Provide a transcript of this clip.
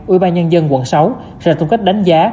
ubnd quận sáu sẽ thông cách đánh giá